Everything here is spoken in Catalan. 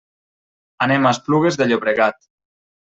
Anem a Esplugues de Llobregat.